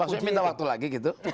maksudnya minta waktu lagi gitu